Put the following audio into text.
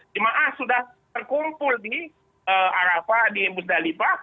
jemaah sudah terkumpul di arafah di musdalifah